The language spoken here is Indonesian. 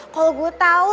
kalau gua tahu